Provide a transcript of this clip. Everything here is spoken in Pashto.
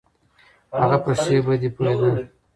هغه په ښې بدې پوهېده.